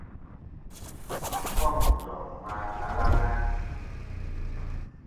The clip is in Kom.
Wà n-kôŋ ndòŋ ma alaŋ a?